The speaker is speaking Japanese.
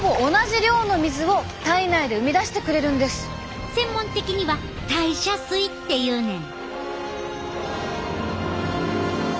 実は専門的には代謝水って言うねん。